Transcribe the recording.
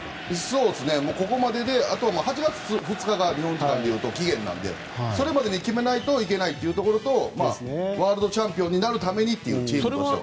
そうですね、ここまでであとは８月２日が期限なのでそれまでに決めないといけないというところとワールドカップチャンピオンになるためにというチームとしては。